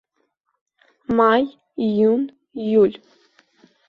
Маи, ииун, ииуль.